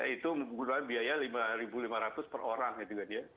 itu menggunakan biaya lima ribu lima ratus per orang gitu kan ya